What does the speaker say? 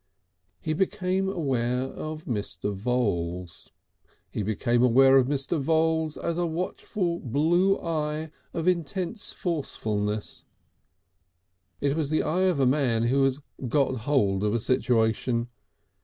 He became aware of Mr. Voules. He became aware of Mr. Voules as a watchful, blue eye of intense forcefulness. It was the eye of a man who has got hold of a situation.